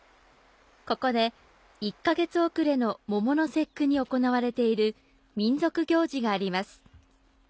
ここで１ケ月遅れの桃の節句に行われている民俗行事があります。